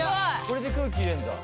これで空気入れんだ。